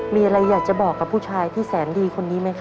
มีอะไรอยากจะบอกกับผู้ชายที่แสนดีคนนี้ไหมครับ